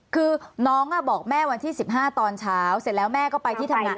คือน้องบอกแม่วันที่๑๕ตอนเช้าเสร็จแล้วแม่ก็ไปที่ทำงาน